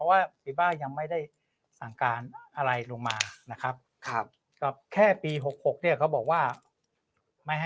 แล้วต้องแก้แก้ไขในระยะยาวนะครับโดยคนไม่รู้ว่าบัน